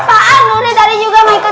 apaan ini tadi juga mengikuti